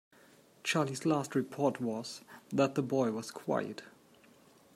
Charley's last report was that the boy was quiet.